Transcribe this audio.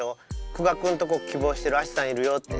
久我君とこ希望してるアシさんいるよって。